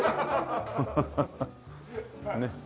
ハハハハねっ。